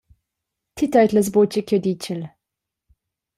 Ti teidlas buca tgei che jeu ditgel.